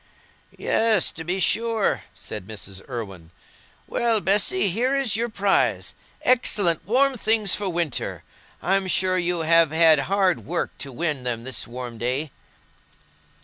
"Yes, to be sure," said Mrs. Irwine. "Well, Bessy, here is your prize—excellent warm things for winter. I'm sure you have had hard work to win them this warm day."